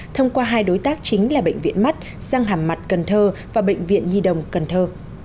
thông qua hai đối tác chính là bệnh viện mắt răng hàm mặt cần thơ và bệnh viện nhi đồng cần thơ